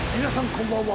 こんばんは。